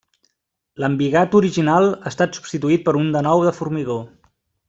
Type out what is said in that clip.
L'embigat original ha estat substituït per un de nou de formigó.